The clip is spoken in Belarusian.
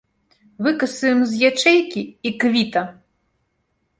Выкасуем з ячэйкі, й квіта!